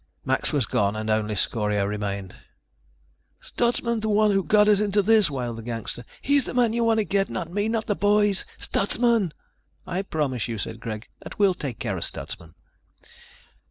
Max was gone and only Scorio remained. "Stutsman's the one who got us into this," wailed the gangster. "He's the man you want to get. Not me. Not the boys. Stutsman." "I promise you," said Greg, "that we'll take care of Stutsman."